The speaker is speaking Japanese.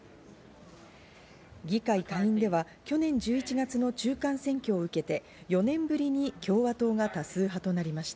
議会下院では去年１１月の中間選挙を受けて４年ぶりに共和党が多数派となりました。